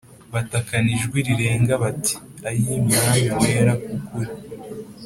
Batakana ijwi rirenga bati “Ayii Mwami wera w’ukuri!